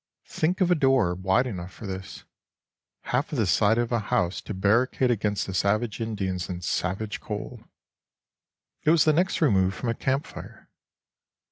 Think of a door wide enough for this: half of the side of a house to barricade against the savage Indians and savage cold! It was the next remove from a camp fire.